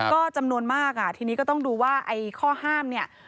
ก็จำนวนมากอ่ะทีนี้ก็ต้องดูว่าไอ้ข้อห้ามเนี่ย